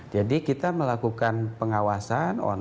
jadi kita melakukan pengawasan on site ke banknya